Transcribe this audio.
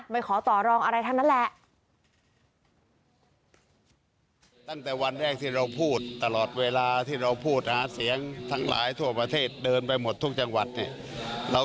ขอต่อรองอะไรทั้งนั้นแหละ